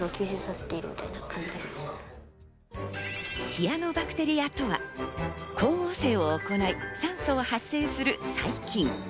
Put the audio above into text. シアノバクテリアとは、光合成を行い、酸素を発生する細菌。